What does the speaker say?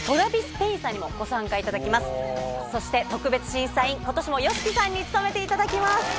さんにもご参加いただきますそして特別審査員今年もＹＯＳＨＩＫＩさんに務めていただきます。